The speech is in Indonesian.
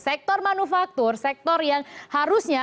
sektor manufaktur sektor yang harusnya